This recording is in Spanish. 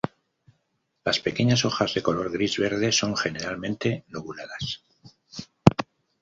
Las pequeñas hojas de color gris-verde son generalmente lobuladas.